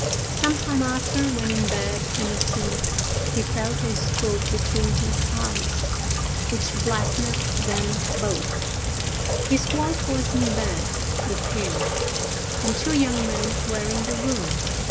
Some time after, when in bed and asleep, he felt a stroke between his eyes, which blackened them both: his wife was in bed with him, and two young men were in the room.